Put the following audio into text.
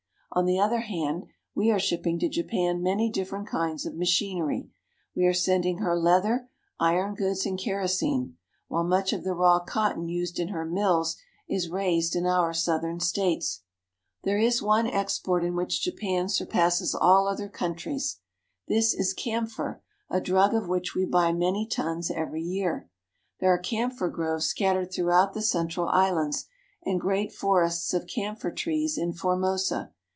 On the other hand, we are shipping to Japan many differ ent kinds of machinery. We are sending her leather, iron goods, and kerosene, while much of the raw cotton used in her mills is raised in our southern states. COMMERCIAL AND INDUSTRIAL JAPAN 93 There is one export in which Japan surpasses all other countries. This is camphor, a drug of which we buy many tons every year. There are camphor groves scat tered throughout the central islands, and great forests of camphor trees in Formosa.